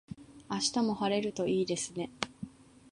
明日も晴れるといいですね。